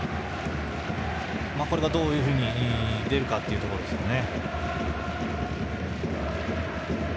これがどういうふうに出るかというところですね。